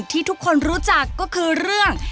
ที่ทุกคนรู้จักก็คือเรื่อง